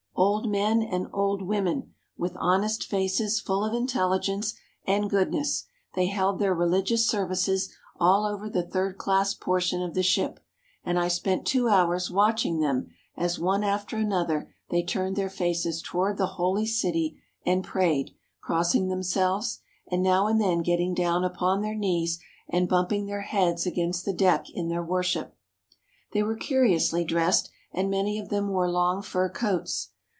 Old men and old women, with honest faces full of intelligence and goodness, they held their religious services all over the third class portion of the ship, and I spent two hours watching them as one after another they turned their faces toward the Holy City and prayed, crossing them 14 THE CITY OF JONAH selves, and now and then getting down upon their knees and bumping their heads against the deck in their wor ship. They were curiously dressed and many of them wore long fur coats.